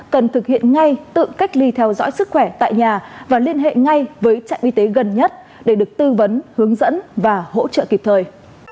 cần thực hiện ngay tự cách ly theo dõi sức khỏe tại nhà và liên hệ ngay với trạm y tế gần nhất để được tư vấn hướng dẫn và hỗ trợ kịp thời